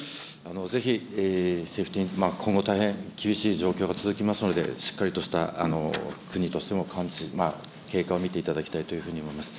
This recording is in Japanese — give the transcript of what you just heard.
ぜひ、今後大変厳しい状況が続きますので、しっかりとした国としても経過を見ていただきたいというふうに思います。